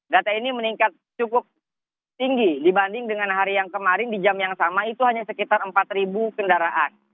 data ini meningkat cukup tinggi dibanding dengan hari yang kemarin di jam yang sama itu hanya sekitar empat kendaraan